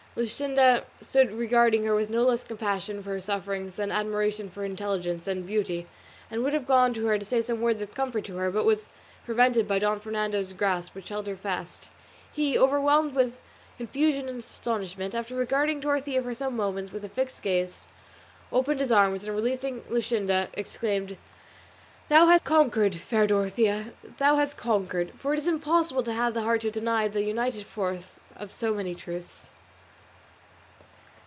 Luscinda stood regarding her with no less compassion for her sufferings than admiration for her intelligence and beauty, and would have gone to her to say some words of comfort to her, but was prevented by Don Fernando's grasp which held her fast. He, overwhelmed with confusion and astonishment, after regarding Dorothea for some moments with a fixed gaze, opened his arms, and, releasing Luscinda, exclaimed: "Thou hast conquered, fair Dorothea, thou hast conquered, for it is impossible to have the heart to deny the united force of so many truths."